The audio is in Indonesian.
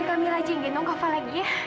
udah udah biar kami rajin gendong kava lagi ya